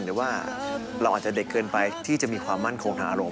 หรือว่าเราอาจจะเด็กเกินไปที่จะมีความมั่นคงทางอารมณ